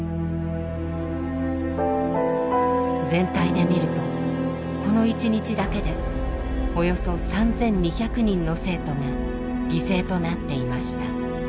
全体で見るとこの一日だけでおよそ３，２００人の生徒が犠牲となっていました。